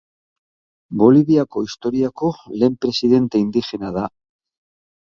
Boliviako historiako lehen presidente indigena da.